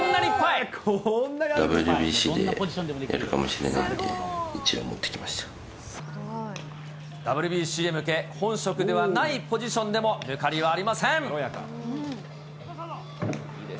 ＷＢＣでやるかもしれないのＷＢＣへ向け、本職ではないポジションでも抜かりはありません。